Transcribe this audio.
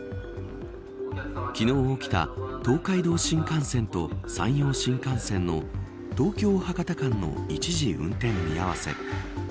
昨日起きた、東海道新幹線と山陽新幹線の東京、博多間の一時運転見合わせ。